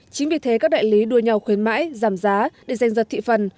chính vì thế các đại lý đua nhau khuyến mãi giảm giá để danh dật thị phần